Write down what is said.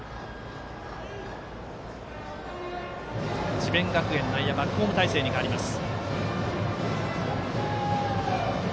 智弁学園、内野はバックホーム態勢に変わります。